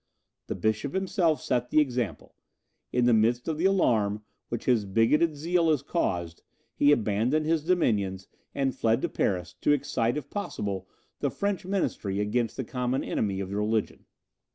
The bishop himself set the example. In the midst of the alarm, which his bigoted zeal had caused, he abandoned his dominions, and fled to Paris, to excite, if possible, the French ministry against the common enemy of religion.